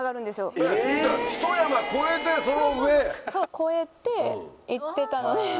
そうそう越えて行ってたので。